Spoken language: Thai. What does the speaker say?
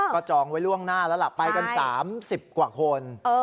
ก็จองไว้ล่วงหน้าแล้วล่ะไปกัน๓๐กว่าคน